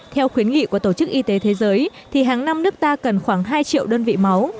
theo khuyến nghị của tổ chức y tế thế giới thì hàng năm nước ta cần khoảng hai triệu đơn vị máu